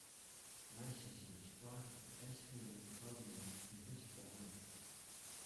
Leicester is part of the Asheville Metropolitan Statistical Area.